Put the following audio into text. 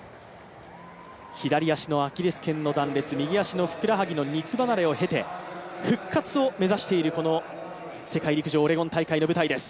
左足のアキレスけんの断裂、右足のふくらはぎの肉離れを経て復活を目指しているこの世界陸上オレゴン大会の舞台です。